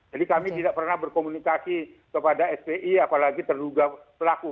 jadi kami tidak pernah berkomunikasi kepada spi apalagi terduga pelaku